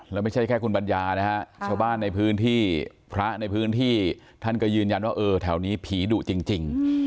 แล้วไม่ใช่แค่คุณบัญญาชาวบ้านพระในพื้นที่ท่านก็ยืนยันว่าแถวนี้ผีดูดจริง